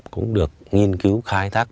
cũng được nghiên cứu khai thác